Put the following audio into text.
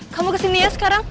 kamu kesini ya sekarang